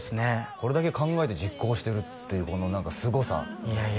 これだけ考えて実行してるっていうこの何かすごさいや